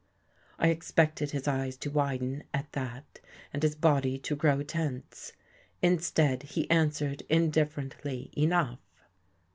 I expected his eyes to widen at that and his body to grow tense. Instead, he answered indifferently enough.